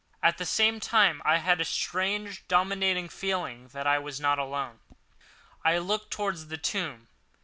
At the same time I had a strange, dominating feeling that I was not alone. I looked towards the tomb.